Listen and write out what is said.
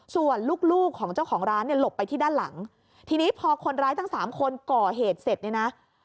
ส่วนลูกลูกของเจ้าของร้านเนี่ยหลบไปที่ด้านหลังทีนี้พอคนร้ายทั้งสามคนก่อเหตุเสร็จเนี่ยนะ